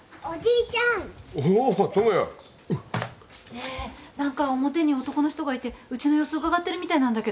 ねえ何か表に男の人がいてうちの様子うかがってるみたいなんだけど。